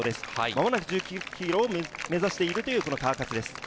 間もなく１９ｋｍを目指しているという川勝です。